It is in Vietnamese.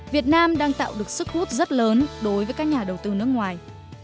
việt nam đang tạo được sức hút rất lớn đối với các nhà đầu tư nước ngoài